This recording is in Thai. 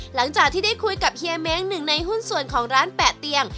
หลังจากที่ได้คุยกับเฮียเม้งหนึ่งในหุ้นส่วนของร้านแปะเตียง